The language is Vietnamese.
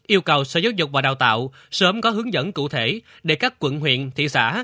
yêu cầu sở giáo dục và đào tạo sớm có hướng dẫn cụ thể để các quận huyện thị xã